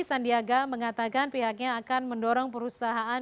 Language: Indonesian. sandiaga mengatakan pihaknya akan mendorong perusahaan